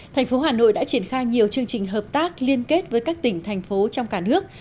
thành phố hà nội đã triển khai nhiều chương trình hợp tác liên kết với các tỉnh thành phố trong cả nước